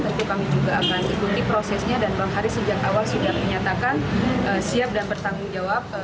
tentu kami juga akan ikuti prosesnya dan bang haris sejak awal sudah menyatakan siap dan bertanggung jawab